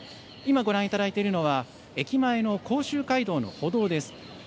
今ご覧いただいているのは駅前の甲州街道の歩道です。